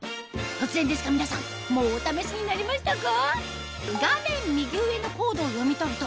突然ですが皆さんもうお試しになりましたか？